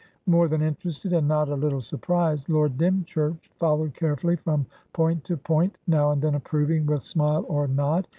More than interested, and not a little surprised, Lord Dymchurch followed carefully from point to point, now and then approving with smile or nod.